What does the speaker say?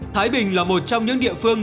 thái bình là một trong những địa phương